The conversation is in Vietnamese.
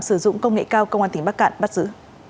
sử dụng công nghệ cao công an tỉnh bắc cạn bắt giữ